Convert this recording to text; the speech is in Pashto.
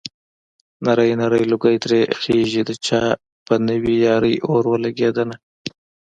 نری نری لوګی ترې خيږي د چا په نوې يارۍ اور ولګېدنه